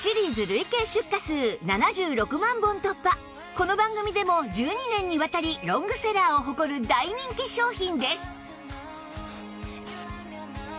この番組でも１２年にわたりロングセラーを誇る大人気商品です